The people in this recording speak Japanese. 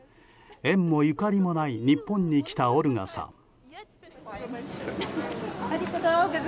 縁もゆかりもない日本に来たオルガさん。